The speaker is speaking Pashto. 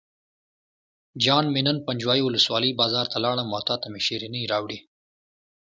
جان مې نن پنجوایي ولسوالۍ بازار ته لاړم او تاته مې شیرینۍ راوړې.